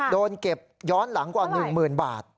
โดนเก็บย้อนหลังกว่า๑๐๐๐บาท